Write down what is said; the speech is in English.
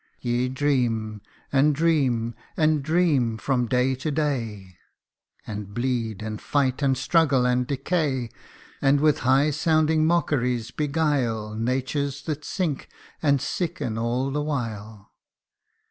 Ye dream, and dream, and dream from day to day, And bleed, and fight, and struggle, and decay ; And with high sounding mockeries beguile Natures that sink, and sicken'all the while.